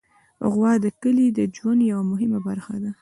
غوا د کلي د ژوند یوه مهمه برخه ده.